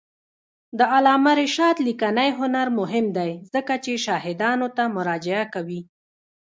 د علامه رشاد لیکنی هنر مهم دی ځکه چې شاهدانو ته مراجعه کوي.